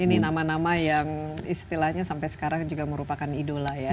ini nama nama yang istilahnya sampai sekarang juga merupakan idola ya